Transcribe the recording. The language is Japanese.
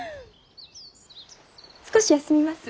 少し休みます。